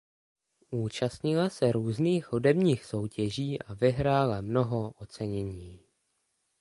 Účastnila se různých hudebních soutěží a vyhrála mnoho ocenění.